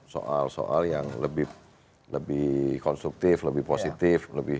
soal soal yang lebih konstruktif lebih positif